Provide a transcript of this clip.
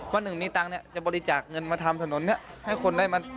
วันหนึ่งมีตังค์จะบริจาคเงินมาทำถนน